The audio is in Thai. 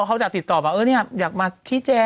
เขาจะติดต่อมาอยากมาชี้แจง